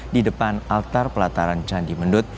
di depan altar pelataran candi mendut